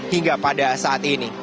hingga pada saat ini